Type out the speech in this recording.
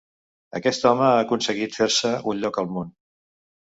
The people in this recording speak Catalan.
Aquest home ha aconseguit fer-se un lloc al món.